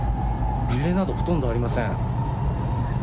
揺れなどほとんどありません。